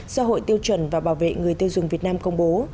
do hội tiêu chuẩn và bảo vệ người tiêu dùng việt nam công bố